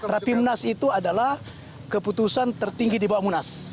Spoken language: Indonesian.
rapimnas itu adalah keputusan tertinggi di bawah munas